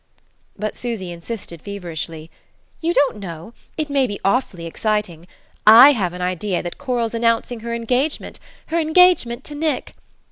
But Susy insisted feverishly: "You don't know. It may be awfully exciting! I have an idea that Coral's announcing her engagement her engagement to Nick!